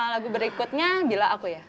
lagu berikutnya bila aku ya